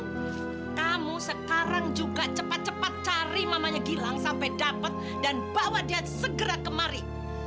ayo kamu sekarang juga cepat cepat cari mamanya gilang sampai dapat dan bawa dia segera kemari